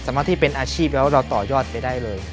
ที่เป็นอาชีพแล้วเราต่อยอดไปได้เลย